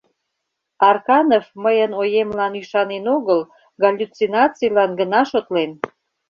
Арканов мыйын оемлан ӱшанен огыл, галлюцинацийлан гына шотлен.